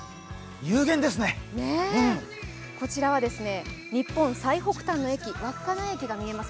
こちらは日本最北端の駅、稚内駅が見えます。